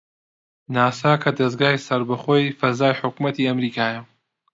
ناسا کە دەزگای سەربەخۆی فەزای حکوومەتی ئەمریکایە